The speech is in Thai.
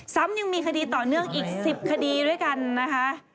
ยังมีคดีต่อเนื่องอีก๑๐คดีด้วยกันนะคะ